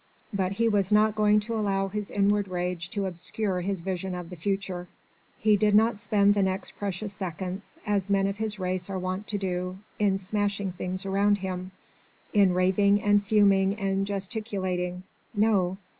But he was not going to allow his inward rage to obscure his vision of the future. He did not spend the next precious seconds as men of his race are wont to do in smashing things around him, in raving and fuming and gesticulating. No.